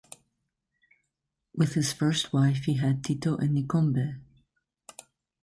With his first wife he had Tito and Nikombe.